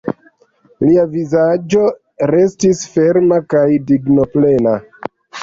Lia vizaĝo restis firma kaj dignoplena.